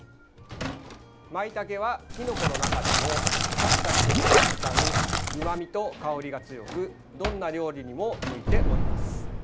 まいたけは、きのこの中でもシャキシャキとした食感うまみと香りが強くどんな料理にも向いております。